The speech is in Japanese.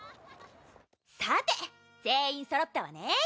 さて全員そろったわね。